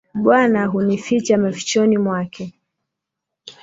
Bwana hunificha mafichoni mwake,